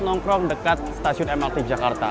nongkrong dekat stasiun mrt jakarta